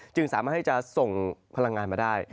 สามารถให้จะส่งพลังงานมาได้